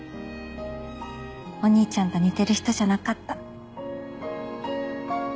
お兄ちゃんと似てる人じゃなかった。